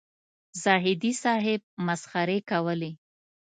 زاهدي صاحب مسخرې کولې.